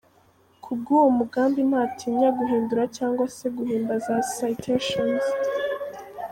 Ku bw’uwo mugambi ntatinya guhindura cyangwa se guhimba za citations.